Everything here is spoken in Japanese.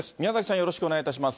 よろしくお願いします。